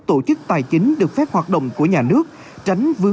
từ việc đòi nợ và việc bị đòi nợ